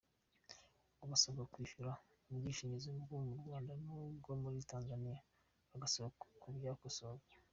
Ngo basabwa kwishyura ubwishingizi bwo mu Rwanda n’ubwo muri Tanzaniya, bagasaba ko byakosorwa.